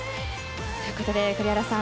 ということで木村さん